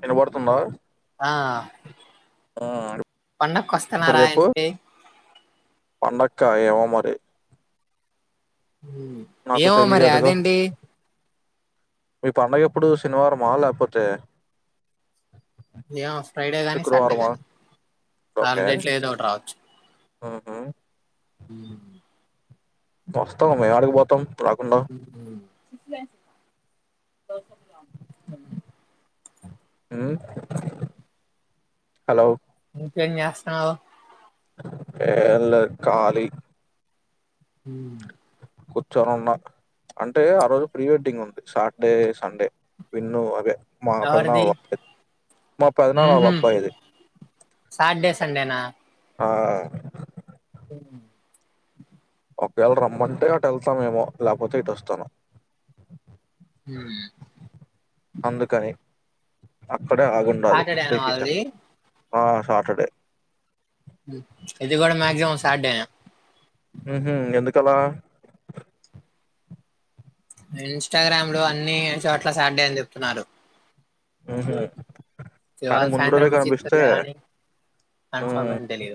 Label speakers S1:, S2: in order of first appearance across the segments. S1: వినబడుతుందా
S2: ఆ
S1: ఆ
S2: పండక్కి
S1: ఇప్పుడు
S2: వస్తున్నారా
S1: జెప్పు
S2: ఇంటికి
S1: పండక్కా ఏమో మరి నాకు
S2: ఏమో మరి
S1: తెలియదుగా
S2: అదేంటి
S1: మీ పండగెప్పుడు శనివారం మా లేకపోతే
S2: యా ఫ్రైడే గానీ సాటర్డే
S1: శుక్రవారమా
S2: గాని ఆ
S1: ఓకే
S2: రెండేట్లో ఏదో ఒకటి రావచ్చు
S1: ఉహు
S2: ఉమ్
S1: మస్త మ వాడికి పోతాం రాకుండా హలో
S2: ఏం చేస్తున్నావ్
S1: ఏళ్ళ కాాలి
S2: హ
S1: చను ఉన్నా అంటే ఆ రోజు ప్రీ వెడ్డింగ్ ఉంది సాటర్డే సండే విన్ను అవే మా
S2: ఎవరిది
S1: పద్నాగుయి మా పదనాలు అలబ్బాయిది
S2: సాటడే సండేనా
S1: ఆ ఒకవేళ రమ్మంటే అటు వెళ్తామేమో లేకపోతే ఇటుొస్తాను
S2: మ్మ్.
S1: అందుకని అక్కడే ఆగుడాది
S2: సాటర్డేనా
S1: డిసిషన్
S2: వాళ్ళది
S1: ఆ సాటర్డే
S2: ఇది కూడా మక్సిమం సాడేనా
S1: హహ ఎందుకలా
S2: ఇన్స్టాగ్రామ్ లో అన్ని చోట్ల సాటర్డే అని చెప్తున్నారు
S1: ఆహా
S2: త అ సాయంత్రం మంచిద అని కన్ఫర్మషన్ తెలి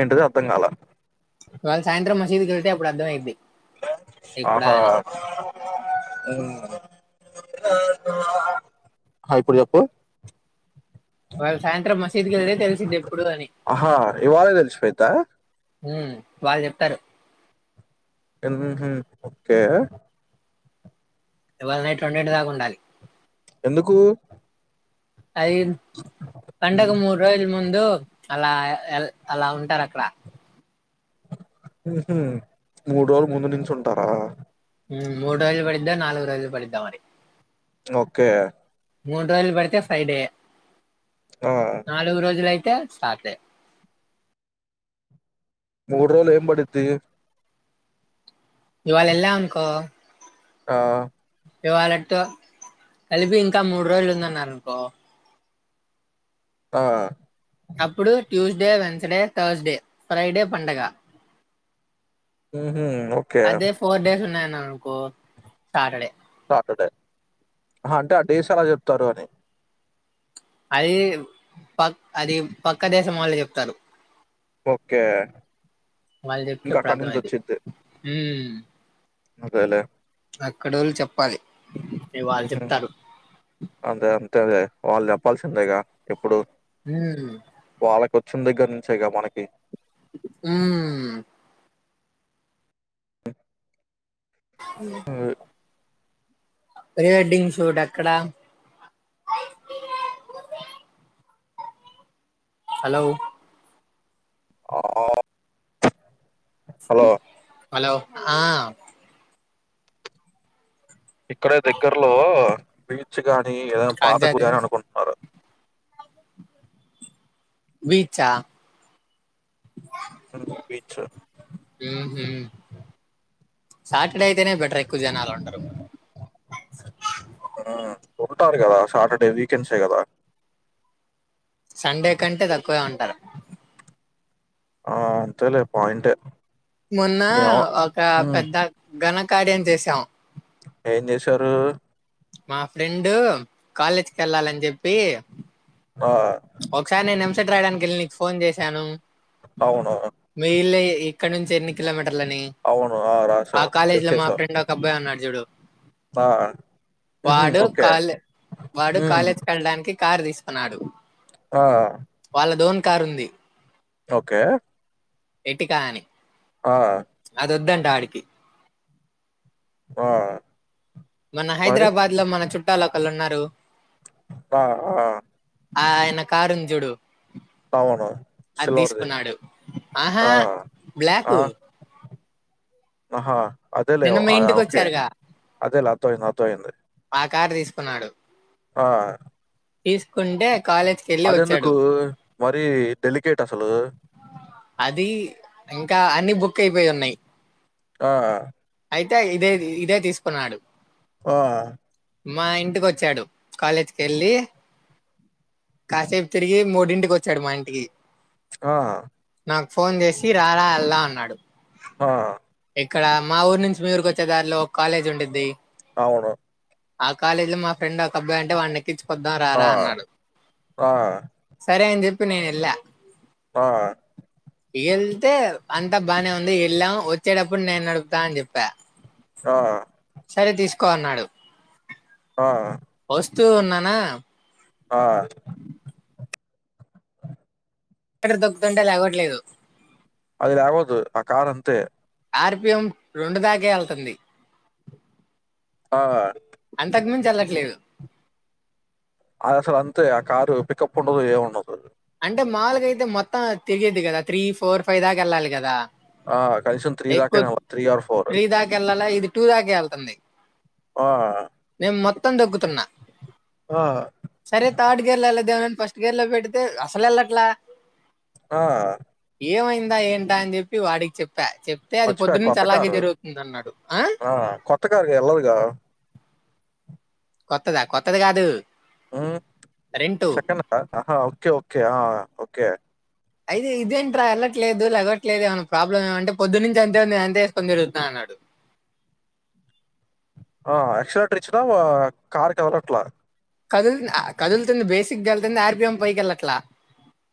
S1: ఏంటది అర్థం కాల
S2: ఇవాళ సాయంత్రం మసీదుకి వెతే అప్పుడు అర్థమయది
S1: ఆహో ఆ ఇపుడు చెప్పు
S2: వాళ్ళు సాయంత్రం మసీద్కి వెళ్ే తెలిసింది ఎప్పుడు అని
S1: ఆహా ఇవాళే తెలిసిపోయిద్దా
S2: హ వాళ్ళు చెప్తారు
S1: ఓకే
S2: టుండంటిదాకు ఉండాలి
S1: ఎందుకు
S2: అఐ పండకు మూడు రోజల ముందు అలా అలా ఉంటారు అక్కడ
S1: హు మూడు రోజులు ముందు నుంచిు ఉంటారా
S2: ూడు రోజులు పడిద్దా నాలుగు రోజులు పడిద్దా మరి
S1: ఓకే
S2: మూడు రోజులు పడితే ఫ్రైడే
S1: ఆ
S2: నాలుగు రోజులు అయితే చ
S1: మూడు రోజులు ఏం పడితి
S2: ఇయువాళ ఎల్లా అకో
S1: ఆ
S2: ఇవాళటితో కలిపి ఇంకా మూడు రోజులు ఉందన్నారు అనుకో
S1: ఆ
S2: అప్పుడు ట్యూస్డే వెన్సడే థర్స్డే ఫ్రైడే పండగ
S1: ఉహు ఓకే
S2: అదే ఫోర్ డేస్ ఉన్నాయిన్నకు సాటర్డే
S1: అంటే ఆ డేస్ అలా చెప్తారు అని
S2: అది ప అది పక్క దేశం వాళ్ళ చెప్తారు
S1: ఓకే ఇంకా అక్కడి నుంచి వచ్చిది
S2: హ
S1: అదేలే
S2: అక్కడ వాళ్ళు చెప్పాలి న వాళ్ళు
S1: ఉహు
S2: చెప్తారు
S1: అంతే వాళ్ళు చెప్పాల్సిందేగా ఎప్పుడు
S2: హ
S1: వాళ్ళకి వచ్చిన దగ్గర నుంచే మనకి
S2: మ్మ్ హలో ప్రీ వెడ్డింగ్ షూట్ అక్కడ హలో
S1: ఆ హలో
S2: హలో ఆ
S1: ఇక్కడే దగ్గర్లో బీచ్ గాని ఏదనా పాతకు
S2: కాకిజాదే
S1: గుడని అనుకుంటున్నారు
S2: బీచ్చా
S1: బీచ్
S2: మ్ హు సాటర్డే అయితేనే బెటర్ ఎక్కువ జనాలు ఉంటరు
S1: ఆ ఉంటారు కదా సాటర్డే వీకెండ్సే కదా
S2: సండే కంటే తక్కువే ఉంటారు
S1: ఆ అంతేలే పాయింటే
S2: మొన్న
S1: ఏమో
S2: ఒక
S1: ఉమ్,
S2: పెద్ద ఘనకార్యం చేసాం
S1: ఏం చేసారు
S2: మా ఫ్రెండు కాలేజ్కి వెళ్ళాలని చెప్పి
S1: ఆ
S2: ఒకసారి నేను ఎంసెట్ రాయడానికి వెళ్ళి నీకు ఫోన్ చేశాను
S1: అవును
S2: మీ ఇళ్ళీ ఇక్కడ నుంచి ఎన్ని కిలోమీటర్లని
S1: అవును
S2: ఆ
S1: రాసావు
S2: కాలేజ్
S1: చెక్
S2: లో మా
S1: చేసావు
S2: ఫ్రెండ్ ఒక అబ్బాయి ఉన్నాడు చూడు
S1: ఆ ఉహుం,
S2: వాడు
S1: ఓకే
S2: కాల్ వాడు
S1: ఉమ్,
S2: కాలేజ్ వెళ్డానికి కార్ దీసుకున్నాడు
S1: ఆ
S2: కారు ఉంది
S1: ఓకే
S2: ఎట్టి కాని
S1: ఆ
S2: దొద్దంటా ఆడికి
S1: ఆ
S2: మన
S1: మరి
S2: హైదరాబాద్ లో మన చుట్టాలు ఒకళ్ళు ఉన్నారు
S1: ఆ ఆ
S2: ఆయన కారు ఉంది జూడు
S1: అవును సిల్వర్ది
S2: తీసుకున్నాడు
S1: ఆ!
S2: ఆహా బ్లాక్
S1: ఆ! ఆహా అదేలే
S2: నిన్న మీ
S1: ఆ
S2: ఇంటికి
S1: ఓకే
S2: వచ్చారుగా
S1: అదేలే అర్థవయింది అర్దవయింది
S2: ఆ కార్ తీసుకున్నాడు
S1: ఆ
S2: తీసుకుంటే కాలేజ్కి వెళ్ళి
S1: అది ఎందుకు
S2: వచ్చాడు
S1: మరి డెలికేట్ అసలు
S2: అది ఇంకా అన్ని బుక్ అయిపోయి ఉన్నాయి
S1: ఆ
S2: అయితే ఇదే ఇదే తీసుకున్నాడు
S1: ఆ
S2: మా ఇంటికి వచ్చాడు కాలేజ్కి వెళ్ళి కాసేపు తిరిగి మూడింటికి వచ్చాడు మా ఇంటికి
S1: ఆ
S2: నాక్ ఫోన్ చేసి రారా ఎల్దాం అన్నాడు
S1: అహా
S2: ఇక్కడ మా ఊరు నుంచి మీ ఊరి వచ్చే దారిలో ఒక కాలేజ్ ఉండిద్ది
S1: అవును
S2: ఆ కాలేజ్ లో మా ఫ్రెండ్ ఒక అబ్బాయి అంటే వాన్ని ఎక్కిచ్ పొద్దా
S1: ఆ!
S2: రారా అన్నాడు
S1: ఆ!
S2: సరే అని చెప్పి నేను ఎళ్లా
S1: పా
S2: ఎళ్తే అంతా బానే ఉంది ఎళ్ళాం వచ్చేటప్పుడు నేను నడుపుతా అని చెప్ప
S1: ఆ
S2: సరే తీసుకో అన్నాడు
S1: ఆ!
S2: వస్తూ ఉన్నానా
S1: ఆ
S2: ఇక్కడ దొబ్బుతంటే లేవట్లేదు
S1: అది లేవదు ఆ కార్ అంతే
S2: ఆర్‌పీఎం రెండు దాకే ఎళ్తుంది
S1: ఆ
S2: ఎల్లట్లేదు
S1: అది అసల్ అంతే ఆ కారు పికప్ ఉండదు ఏముండదు
S2: అంటే మాలగా అయితే మొత్తం తెగిది కదా త్రీ ఫోర్ ఫైవ్ దాకా వెళ్ళాలి కదా
S1: ఆ! కనీసం
S2: ఎక్కు
S1: దాకైనా అవ్వదు. ఆర్
S2: త్రీ దాకా వెళ్ళాలా ఇది టూ దాక వెళ్తుంది
S1: ఆ
S2: తోదగ్గుతున్న
S1: ఆ!
S2: సరే థర్డ్ గేర్ లో వెళ్లొద్దు వెళ్లొద్దు ఫస్ట్ గేర్ లో పెట్ అసల్ ఎళ్ళట్లే
S1: హ
S2: ఏమైందా ఏంటా అని చెప్పి వాడికి చెప్ ప్పా చెప్తే అది
S1: మర్చిపోయా
S2: పొద్దునుంచి
S1: కొత్త
S2: అలాగే
S1: కారు.
S2: జరుగుతుంది అన్నాడు ఆ
S1: కొత్త కారుకి ఎళ్ళదుగా.
S2: కొత్తదా కొత్తది కాదు
S1: ఉమ్
S2: రెంటు
S1: సెకండ్ దా ఆహా ఓకే ఓకే ఆ ఓకే
S2: అయితే ఇదేంట్రా ఎళ్లట్లేదు లేవట్లేదు ఏమనా ప్రాబ్లమ్ ఏమంటే పొద్దు నుంచి అంతే ఉంది అంతేసుకొని తరుగుతున్నా అన్నాడు
S1: ఆ ఆక్చులట్్రిచ్చిన కార్ కదలట్ల
S2: కదులు ఆ కదులుతుంది బేసిగ్గా కతుంది ఆర్‌పీఎం పై ఎళ్లట్లా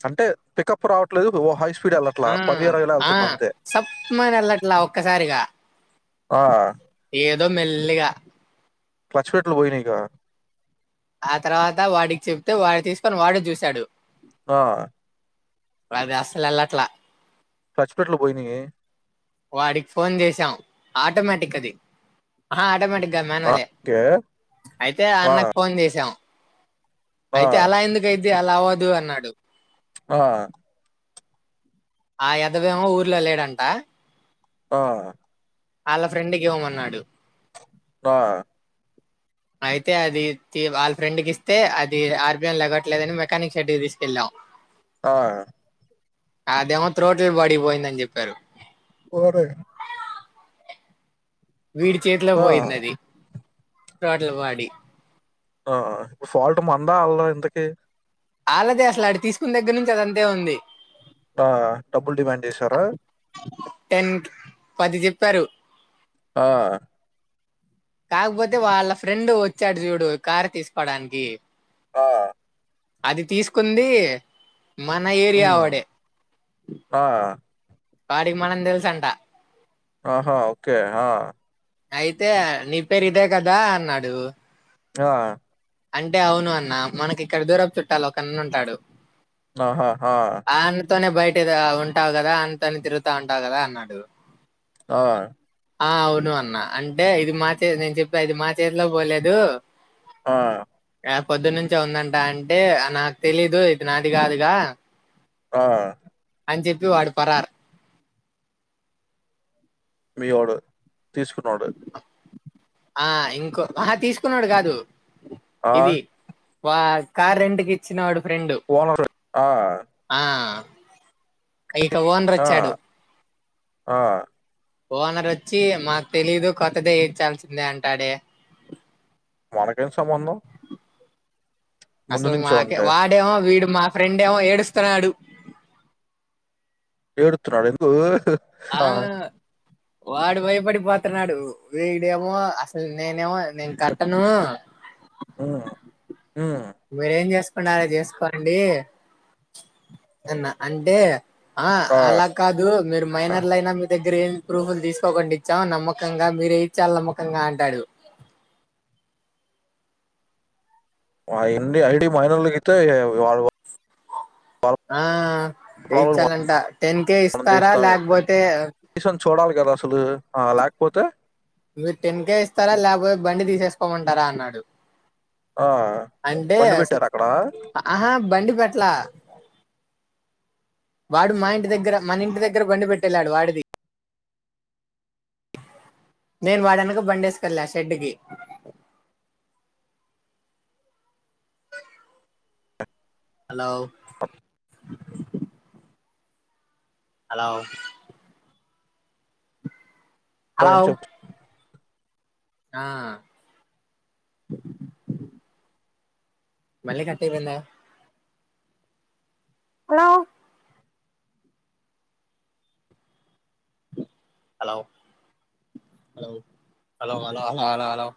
S1: అంటే పికప్ రావట్లేదు ఓ హై స్పీడ్ ఎళ్లట్లా
S2: ఆ
S1: పది ఇరవై లో ఎళ్తుంది అంతే
S2: ఒక్క సారిగా
S1: ఆ
S2: దో మెల్లిగా
S1: క్లచ్ ప్లేట్లు పోయినాయి ఇక
S2: ఆ తర్వాత వాడికి చెప్తే వాడు తీసుకొని వాడే చూశాడు
S1: అ
S2: అది అసల్ ఎళ్లట్ల
S1: క్లచ్ ప్లేట్లు పోయినా ఏ
S2: వాడి ఫోన్ చేసాం ఆటోమేటిక్ అది ఆహా ఆటోమేటిక్ గా
S1: ఆ!
S2: మనోళ్లే
S1: ఓకే.
S2: అయితే
S1: ఆ!
S2: అన్నకు ఫోన్ చేసాం
S1: ఆ!
S2: అయితే అలా ఎందుకు అయింది అలా అవ్వదు అన్నాడు
S1: ఆ
S2: ఆ ఎదవఏమో ఊర్లో లేడంట
S1: హా
S2: వాళ్ళ ఫ్రెండ్ కి ఇవ్వమన్నాడు
S1: పా
S2: అయితే అది వాళ్ళ ఫ్రెండ్కి ఇస్తే అది ఆర్బిఎం గట్లేదని మెకానిక్ షైడకి తీసుకెళ్ళాం
S1: ఆ
S2: అదేమో తోటలు పడిపోయిందని చెప్పారు
S1: ఓరేయ్!
S2: వీడి చేతిలో
S1: ఆ!
S2: పోయింది అది తోటల పాడి
S1: ఆ ఫాల్ట్ మందా అలాదా ఇంతకీ
S2: ఆళ్ళదే అసలు అడి తీసుకున్న దగ్గర నుంచి అది అదంతే ఉంది
S1: ఆ డబ్బుల్ డిమాండ్ చేసారా
S2: ప్పరు
S1: ఆ
S2: కాకపోతే వాళ్ళ ఫ్రెండ్ వచ్చాడు చూడు కారు తీసుకోవడానికి
S1: ఆ
S2: అది తీసుకుంది మన ఏరియా
S1: హ్మ్.
S2: వాడే
S1: ఆ!
S2: వాడికి మనం తెలుస అంట
S1: ఆహా ఓకే ఆ
S2: అయితే నీ పేరు ఇదే కదా అన్నాడు
S1: ఆ
S2: అంటే అవును అన్నా మనకి ఇక్కడ దూరపు చుట్టాలూ ఒక అన్నా ఉంటాడు
S1: ఆహా హా
S2: అతోనే బయట ఉంటావు కదా అంతనే తిరుగుతా ఉంటావు కదా అన్నాడు
S1: ఆ
S2: ఆ అవును అన్న అంటే ఇది మా చే నేను చెప్తే ఇది మా చేతిలో పోలేదు
S1: ఆ
S2: పొద్దునుంచే ఉందంట. అంటే నాకు తెలీదు ఇది నాది కాదుగా
S1: ఆ
S2: అని చెప్పి వాడు పరార్
S1: మీ ఓడు తీసుకునోడు
S2: ఆ ఇంకో ఆ తీసుకున్నాడు కాదు
S1: ఆ
S2: ఇది వా కార్ రెంట్ ఇచ్చినోడి ఫ్రెండు
S1: ఓనర్ ఆ
S2: ఆ
S1: ఏంటి?
S2: ఇంకా ఓనర్
S1: ఆ
S2: వచ్చాడు
S1: ఆ
S2: ఓనర్ వచ్చి మాకు తెలీదు కొత్తది ఏయించాలిసిందే అంటాడే
S1: మనకేం సంబంధం ముందు
S2: అసలు
S1: నుంచో
S2: మాక
S1: ఉంటే
S2: వాడు ఏమో వీడు మా ఫ్రెండ్ ఏమో ఏడుస్తున్నాడు
S1: ఏడుతున్నాడా ఎందుకు
S2: ఆ వాడు భయపడి పోతున్నాడు వీడేమో అసలు నేనేమో నేన్ కట్టను
S1: ఉమ్ ఉమ్
S2: మీరేం చేసుకుంటారో చేసుకోండి అన్న అంటే ఆ అలా కాదు మీరు మైనర్ల అయినా మీ దగ్గర ఏం ప్రూఫ్లు తీసుకోకుండా ఇచ్చాం నమ్మకంగా మీరే ఇ చాలా నమ్మకంగా అంటాడు
S1: ఎన్ని ఐడి మైనర్కితే వాళ్ళు
S2: ఆ ఏయించాలంట టెన్ కే ఇస్తారా లేకపోతే
S1: సన్ చూడాలి కదా అసలు ఆ లేకపోతే
S2: మీరు టెన్ కేే ఇస్తారా లేకపోయి బండి తీసేసుకోమంటారా అన్నాడు
S1: ఆ
S2: అంటే
S1: బండి
S2: స
S1: పెట్టారు అక్కడ
S2: ఆహా బండి పెట్టాలా వాడు మా ఇంటి దగ్గర మన ఇంటి దగ్గర బండి పెట్టెళ్లాడు వాడిది నేను వాడి వెనక బండేసుకెళ్ళ షెడ్కి దీ [inaudible] హలో హలో హలో
S1: పాన్ చెప్
S2: ఆ మళ్ళి కట్టింగ్ ఉందా hello hello hello hello hello hello hello hello